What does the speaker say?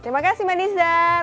terima kasih mbak nizar